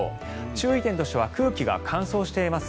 注意点としては空気が乾燥しています。